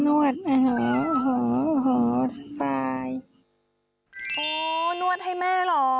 โอ้นวดให้แม่เหรอ